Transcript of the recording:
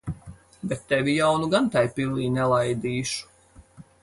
Bet tevi jau nu gan tai pilī nelaidīšu.